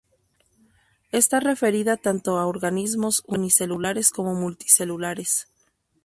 Está referida tanto a organismos unicelulares como multicelulares.